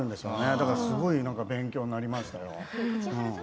だからすごい勉強になりましたね。